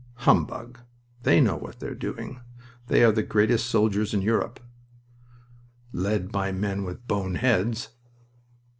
"Humbug! They know what they are doing. They are the greatest soldiers in Europe." "Led by men with bone heads."